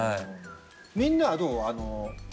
みんなはどう？